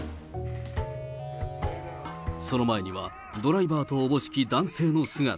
その前にはドライバーとおぼしき男性の姿。